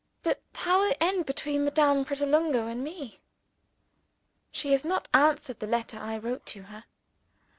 But how will it end between Madame Pratolungo and me? She has not answered the letter I wrote to her.